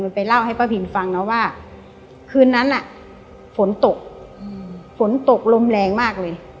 มันไปเล่าให้ป้าพินฟังนะว่าคืนนั้นฝนตกฝนตกลมแรงมากเลย